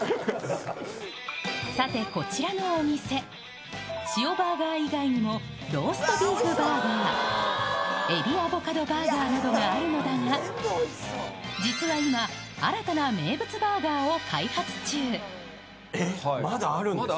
さて、こちらのお店、塩バーガー以外にもローストビーフバーガー、エビアボカドバーガーなどがあるのだが、実は今、新たな名物バーえっ、まだあるんですね。